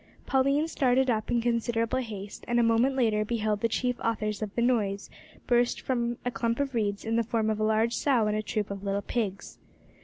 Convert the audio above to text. Pauline started up in considerable haste, and a moment later beheld the chief authors of the noise burst from the clump of reeds in the form of a large sow and a troop of little pigs.